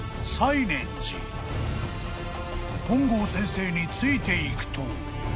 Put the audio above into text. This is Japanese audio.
［本郷先生についていくと］